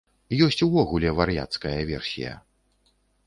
Ёсць увогуле вар'яцкая версія.